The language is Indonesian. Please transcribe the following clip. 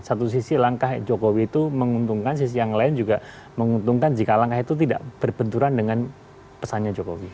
satu sisi langkah jokowi itu menguntungkan sisi yang lain juga menguntungkan jika langkah itu tidak berbenturan dengan pesannya jokowi